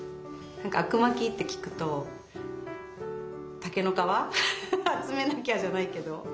「あくまき」って聞くと竹の皮集めなきゃじゃないけど。